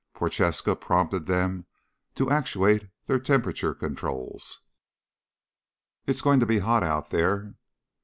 Prochaska prompted them to actuate their temperature controls: "It's going to be hot out there."